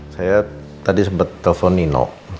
saya tadi sempet telepon nino